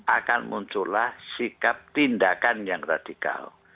akan muncullah sikap tindakan yang radikal